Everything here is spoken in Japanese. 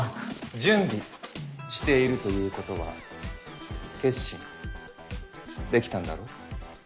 準備しているという事は決心出来たんだろう？